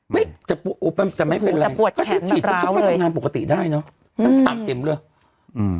ไม่จะจะไม่เป็นไรแต่ปวดแขนแบบร้าวเลยปกติได้เนอะอืมสามเต็มด้วยอืม